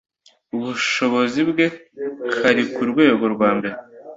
ubushobozi bwe kari ku rwego rwambere